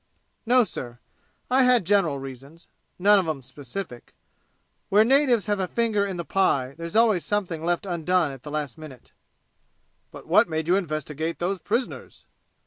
"No, sir. I had general reasons. None of 'em specific. Where natives have a finger in the pie there's always something left undone at the last minute." "But what made you investigate those prisoners?"